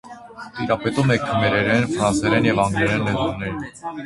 Տիրապետում է քմերերեն, ֆրանսերեն և անգլերեն լեզուներին։